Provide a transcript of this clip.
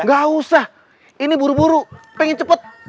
gak usah ini buru buru pengen cepet